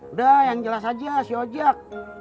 udah yang jelas aja si objek